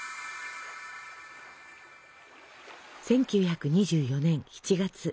１９２４年７月。